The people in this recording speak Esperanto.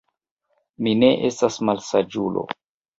Mi ne estas malsaĝulo.